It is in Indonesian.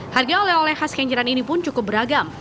harga oleh oleh khas kenjeran ini pun cukup beragam